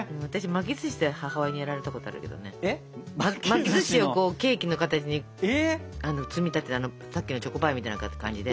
巻きずしをケーキの形に積み立ててさっきのチョコパイみたいな感じで。